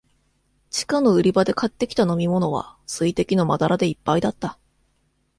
地下の売り場で買ってきた飲みものは、水滴のまだらでいっぱいだった。